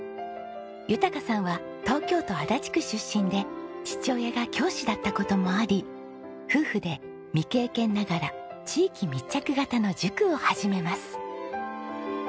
豊さんは東京都足立区出身で父親が教師だった事もあり夫婦で未経験ながら地域密着型の塾を始めます。